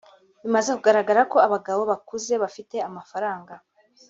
Bimaze kugaragara ko abagabo bakuze bafite amafaranga